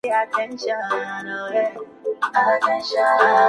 Las ventas ficticias eran castigadas severamente.